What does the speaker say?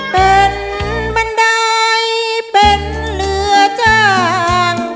เป็นบันไดเป็นเรือจ้าง